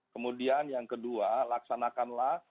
kemudian yang kedua laksanakanlah